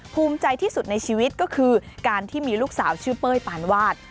ภูมิใจที่สุดในชีวิตก็คือการที่มีลูกสาวชื่อเป้ยปานวาด